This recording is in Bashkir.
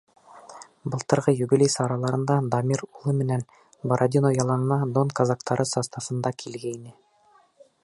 Былтырғы юбилей сараларында Дамир улы менән Бородино яланына Дон казактары составында килгәйне.